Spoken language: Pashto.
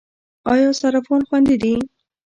آیا صرافان خوندي دي؟